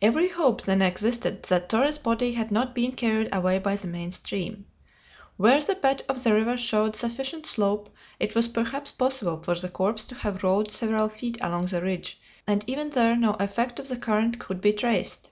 Every hope then existed that Torres' body had not been carried away by the main stream. Where the bed of the river showed sufficient slope, it was perhaps possible for the corpse to have rolled several feet along the ridge, and even there no effect of the current could be traced.